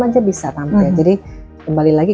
aja bisa tampil jadi kembali lagi